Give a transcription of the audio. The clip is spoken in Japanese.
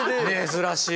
珍しい。